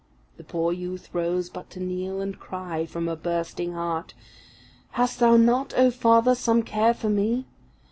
The poor youth rose but to kneel, and cry, from a bursting heart, "Hast Thou not, O Father, some care for me?